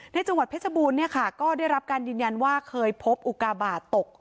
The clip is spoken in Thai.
จังหวัดเพชรบูรณ์เนี่ยค่ะก็ได้รับการยืนยันว่าเคยพบอุกาบาทตก